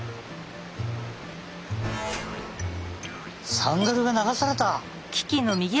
サンダルが流された！